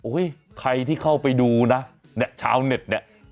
ใครที่เข้าไปดูนะเนี่ยชาวเน็ตเนี่ย